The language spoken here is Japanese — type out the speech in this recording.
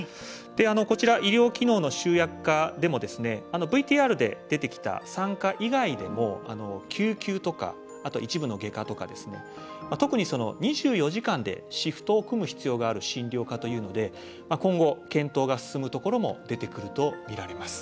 こちら、医療機能の集約化でもＶＴＲで出てきた産科以外でも救急とか、一部の外科とか特に２４時間でシフトを組む診療科というところで今後、検討が進むところも出てくるとみられます。